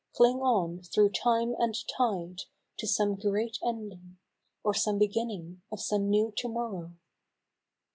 Cling on through time and tide to some great ending, Or some beginning of some new to morrow